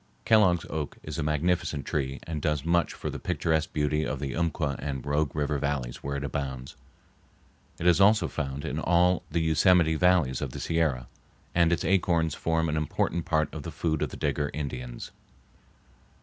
Kellogg's oak is a magnificent tree and does much for the picturesque beauty of the Umpqua and Rogue River Valleys where it abounds. It is also found in all the Yosemite valleys of the Sierra, and its acorns form an important part of the food of the Digger Indians.